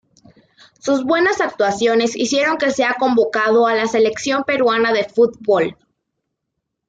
Sus buenas actuaciones hicieron que sea convocado a la Selección Peruana de Fútbol.